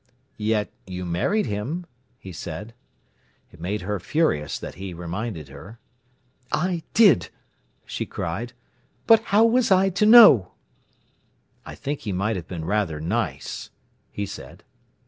"Yet you married him," he said. It made her furious that he reminded her. "I did!" she cried. "But how was I to know?" "I think he might have been rather nice," he said.